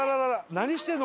何してるの？